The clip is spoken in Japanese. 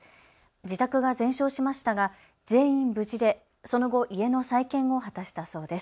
自宅が全焼しましたが全員無事でその後、家の再建を果たしたそうです。